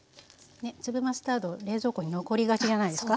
粒マスタード冷蔵庫に残りがちじゃないですか？